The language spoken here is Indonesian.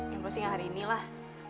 ya pasti gak hari ini lah